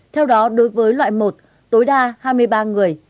theo đó đối với loại một tối đa hai mươi ba người